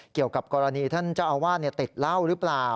เกี่ยวกับกรณีท่านเจ้าอาวาสติดเหล้าหรือเปล่า